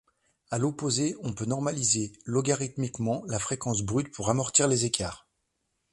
À l'opposé, on peut normaliser logarithmiquement la fréquence brute pour amortir les écarts.